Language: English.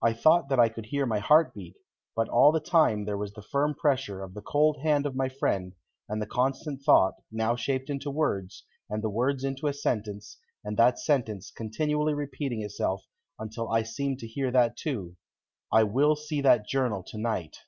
I thought that I could hear my heart beat, but all the time there was the firm pressure of the cold hand of my friend, and the constant thought, now shaped into words and the words into a sentence, and that sentence continually repeating itself until I seemed to hear that too: "I will see that journal to night."